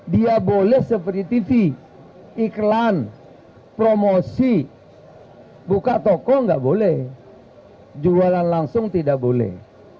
dia boleh seperti tv iklan promosi buka toko nggak boleh jualan langsung tidak boleh